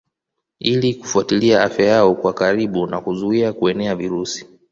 Ili kufuatilia afya yao kwa karibu na kuzuia kueneza virusi